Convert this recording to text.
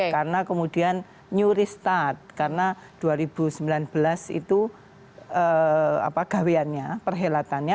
karena kemudian nyuristat karena dua ribu sembilan belas itu gawiannya perhelatannya